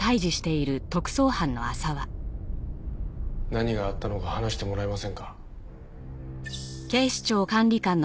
何があったのか話してもらえませんか？